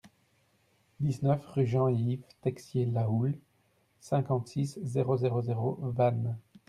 dix-neuf rue Jean et Yves Texier Lahoulle, cinquante-six, zéro zéro zéro, Vannes